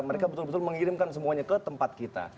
mereka betul betul mengirimkan semuanya ke tempat kita